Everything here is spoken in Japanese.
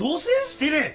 してねえ。